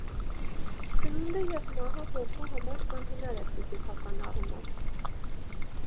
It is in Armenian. Ծնունդը և մահը ոգու համար անհնար է ֆիզիկական առումով։